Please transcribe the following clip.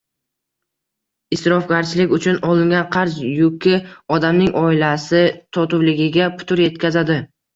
Isrofgarchilik uchun olingan qarz yuki odamning oilasi totuvligiga putur yetkazadi.